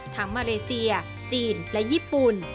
ทั้งมะเรเซียจีนและญี่ปุ่น